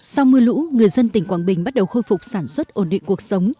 sau mưa lũ người dân tỉnh quảng bình bắt đầu khôi phục sản xuất ổn định cuộc sống